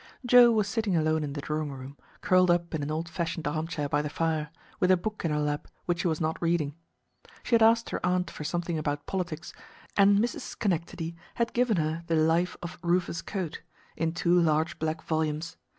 Joe was sitting alone in the drawing room, curled up in an old fashioned arm chair by the fire, with a book in her lap which she was not reading. She had asked her aunt for something about politics, and Miss Schenectady had given her the "Life of Rufus Choate," in two large black volumes.